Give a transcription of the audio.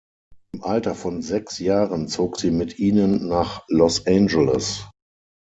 Im Alter von sechs Jahren zog sie mit ihnen nach Los Angeles.